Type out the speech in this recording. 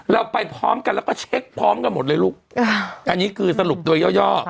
เราไปพร้อมกันแล้วก็เช็คพร้อมกันหมดเลยลูกอันนี้คือสรุปโดยย่อ